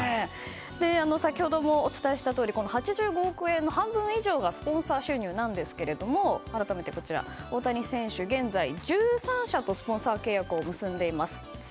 先ほどもお伝えしたとおり８５億円の半分以上がスポンサー収入なんですけれども大谷選手、現在１３社とスポンサー契約を結んでいます。